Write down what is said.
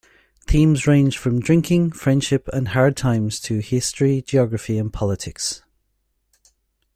Themes range from drinking, friendship, and hard times to history, geography and politics.